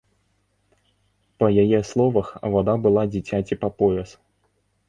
Па яе словах, вада была дзіцяці па пояс.